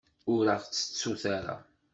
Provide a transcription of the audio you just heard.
Ur aɣ-ttettut ara.